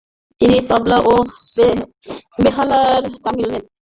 তিনি তবলা ও বেহালার তালিম নেন।